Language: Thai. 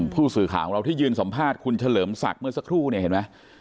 ผู้สื่อข่าวของเราที่ยืนสัมภาษณ์คุณเฉลิมศักดิ์เมื่อสักครู่เนี่ยเห็นไหม